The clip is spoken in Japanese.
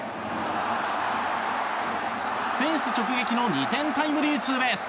フェンス直撃の２点タイムリーツーベース。